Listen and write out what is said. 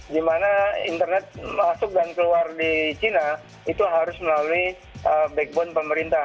di mana internet masuk dan keluar di china itu harus melalui backbone pemerintah